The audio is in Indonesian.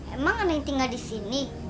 emang ada yang tinggal disini